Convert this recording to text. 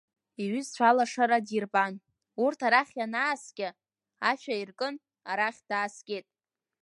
Иҩызцәа алашара дирбан, урҭ арахь ианааскьа, ашә аиркын, арахь дааскьеит.